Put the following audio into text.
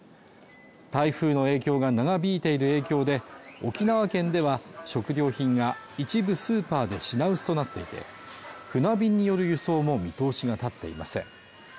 台風の影響が長引いている影響で沖縄県では食料品が一部スーパーで品薄となっていて船便による輸送も見通しが立っていません